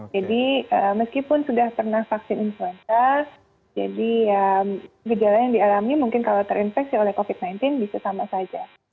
jadi meskipun sudah pernah vaksin influenza jadi gejala yang dialami mungkin kalau terinfeksi oleh covid sembilan belas bisa sama saja